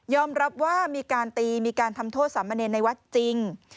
รับว่ามีการตีมีการทำโทษสามเณรในวัดจริง